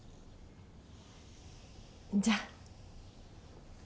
じゃあ。